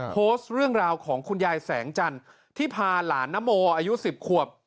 โพสต์เรื่องราวของคุณยายแสงจันทร์ที่พาหลานนโมอายุ๑๐ขวบ